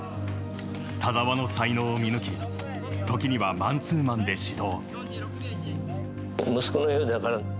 田澤の才能を見抜き時にはマンツーマンで指導。